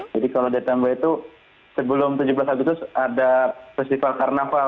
jadi kalau di atambua itu sebelum tujuh belas agustus ada festival karnaval